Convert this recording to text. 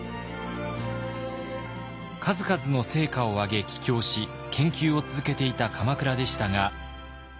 数々の成果を上げ帰京し研究を続けていた鎌倉でしたが。